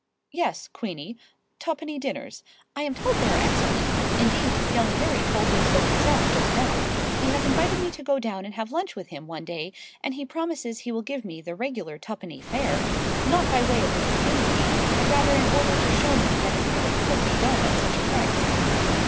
"Yes, Queenie—twopenny dinners. I'm told they are excellent—indeed, young Harry told me so himself just now. He has invited me to go down and have lunch with him one day, and he promises he will give me the regular twopenny fare—not by way of entertaining me, but rather in order to show me that it really could be done at such a price."